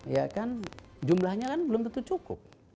ya kan jumlahnya kan belum tentu cukup